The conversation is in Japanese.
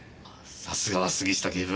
さすがは杉下警部。